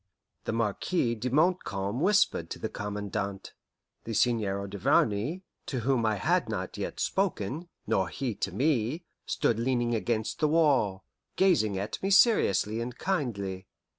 The Marquis de Montcalm whispered to the Commandant. The Seigneur Duvarney, to whom I had not yet spoken, nor he to me, stood leaning against the wall, gazing at me seriously and kindly.